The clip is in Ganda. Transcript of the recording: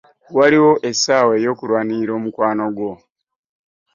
Waliwo essaawa y'okulwanira omukwano gwo.